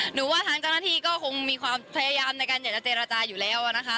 ว่าทางเจ้าหน้าที่ก็คงมีความพยายามในการอยากจะเจรจาอยู่แล้วนะคะ